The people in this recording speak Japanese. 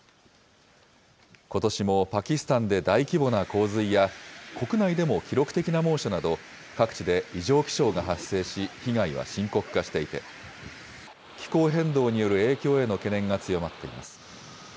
ことしもパキスタンで大規模な洪水や、国内でも記録的な猛暑など、各地で異常気象が発生し、被害は深刻化していて、気候変動による影響への懸念が強まっています。